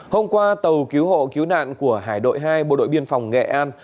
hôm qua tàu cứu hộ cứu nạn của hải đội hai bộ đội biên phòng nghệ an